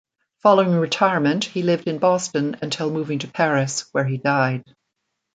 Following retirement he lived in Boston until moving to Paris, where he died.